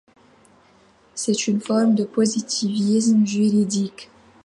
C'est une forme de positivisme juridique.